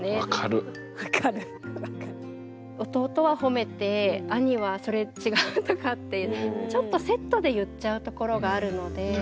弟はほめて兄は「それ違う」とかってちょっとセットで言っちゃうところがあるので。